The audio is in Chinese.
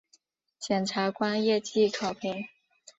检察官业绩考评